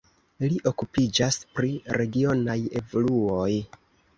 Li okupiĝas pri regionaj evoluoj.